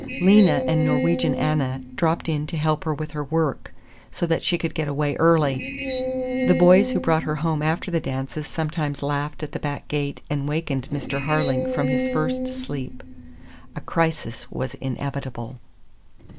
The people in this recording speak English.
Lena and Norwegian Anna dropped in to help her with her work, so that she could get away early. The boys who brought her home after the dances sometimes laughed at the back gate and wakened Mr. Harling from his first sleep. A crisis was inevitable.